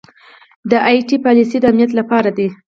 دا ائ ټي پالیسۍ د امنیت لپاره دي.